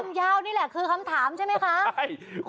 ยาวนี่แหละคือคำถามใช่ไหมคะ